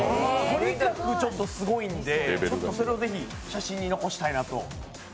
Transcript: とにかくちょっとすごいのでそれをぜひ写真に残したいなと。